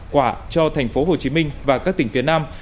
quả cho tp hcm và các tỉnh phía nam